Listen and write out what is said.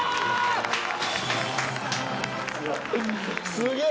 すげえ！